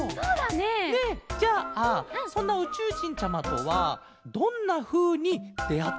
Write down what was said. ねえじゃあそんなうちゅうじんちゃまとはどんなふうにであってみたいケロ？